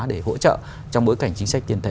để hỗ trợ trong bối cảnh chính sách tiền tệ